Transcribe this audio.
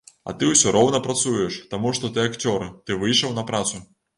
А ты ўсё роўна працуеш, таму што ты акцёр, ты выйшаў на працу.